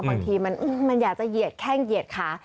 บางทีมันอยากจะเหยียดแข้งเหยียดขา